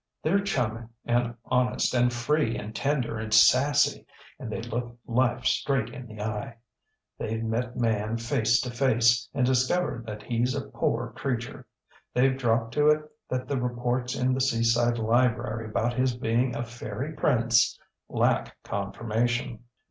TheyŌĆÖre chummy and honest and free and tender and sassy, and they look life straight in the eye. TheyŌĆÖve met man face to face, and discovered that heŌĆÖs a poor creature. TheyŌĆÖve dropped to it that the reports in the Seaside Library about his being a fairy prince lack confirmation.